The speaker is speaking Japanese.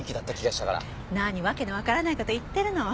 何訳のわからない事言ってるの。